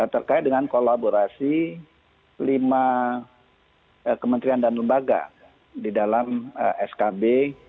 terkait dengan kolaborasi lima kementerian dan lembaga di dalam skb